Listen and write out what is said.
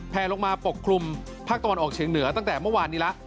ลงมาปกคลุมภาคตะวันออกเฉียงเหนือตั้งแต่เมื่อวานนี้แล้ว